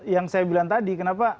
yang saya bilang tadi kenapa